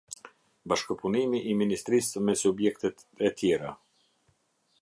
Bashkëpunimi i Ministrisë me subjektet e tjera.